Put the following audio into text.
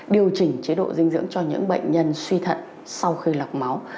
điều chỉnh chế độ dinh dưỡng cho những bệnh nhân suy thận sau khi lọc máu